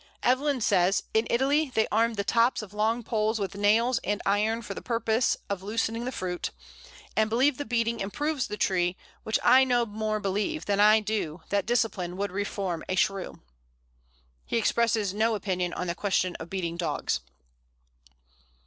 Evelyn says: "In Italy they arm the tops of long poles with nails and iron for the purpose [of loosening the fruit], and believe the beating improves the tree; which I no more believe than I do that discipline would reform a shrew." He expresses no opinion on the question of beating dogs.